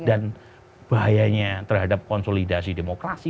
dan bahayanya terhadap konsolidasi demokrasi